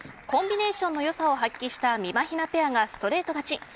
コンビネーションのよさを発揮した、みまひなペアがストレート勝ち。